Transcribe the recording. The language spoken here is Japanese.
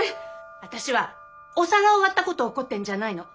私はお皿を割ったことを怒ってるんじゃないの。